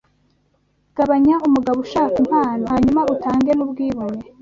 gabanya umugabo ushaka impano, hanyuma utange nubwibone